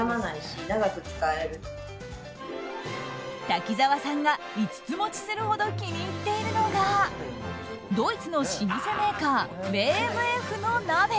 滝沢さんが５つ持ちするほど気に入っているのがドイツの老舗メーカーヴェーエムエフの鍋。